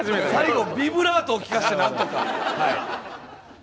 最後ビブラートを利かせてなんとかはい。